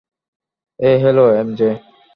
এ হলো এমজে।